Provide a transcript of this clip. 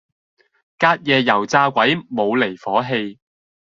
隔夜油炸鬼冇離火氣